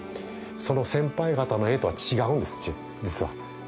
その先輩方の絵とは違うんです実は。